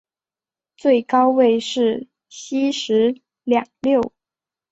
最高位是西十两六。